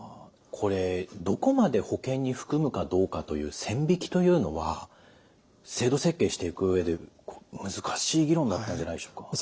これどこまで保険に含むかどうかという線引きというのは制度設計していく上で難しい議論だったんじゃないでしょうか。